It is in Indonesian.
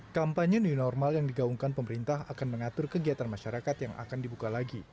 kampanye new normal yang digaungkan pemerintah akan mengatur kegiatan masyarakat yang akan dibuka lagi